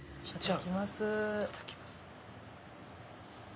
いただきます。